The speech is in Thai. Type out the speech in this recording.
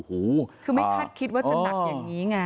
โอ้โหคือไม่คาดคิดว่าจะหนักอย่างนี้ไง